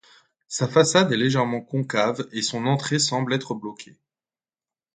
Sa façade est légèrement concave et son entrée semble être bloquée.